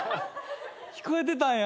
聞こえてたんや。